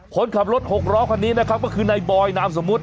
คนขับรถหกล้อคันนี้นะครับก็คือนายบอยนามสมมุติ